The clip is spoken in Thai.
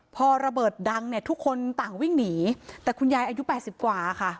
พอระเบิดดังเนี่ยทุกคนต่างวิ่งหนีแต่คุณยายอายุ๘๐กว่าค่ะ